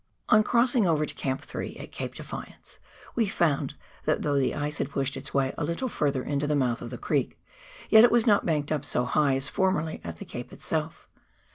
On crossing over to Camp 3, at Cape Defiance, we found that though the ice had pushed its way a little further into the mouth of the creek, yet it was not banked up so high as formerly at the cape itself.